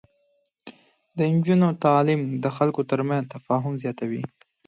د نجونو تعليم د خلکو ترمنځ تفاهم زياتوي.